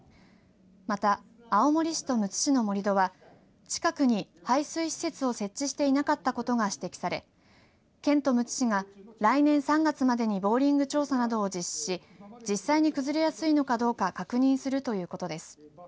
また青森市とむつ市の盛り土は近くに排水施設を設置していなかったことが指摘され県とむつ市が来年３月までにボーリング調査などを実施し実際に崩れやすいのかどうか確認するということです。